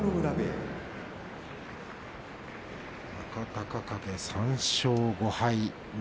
若隆景、３勝５敗。